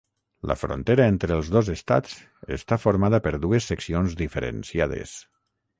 La frontera entre els dos estats està formada per dues seccions diferenciades.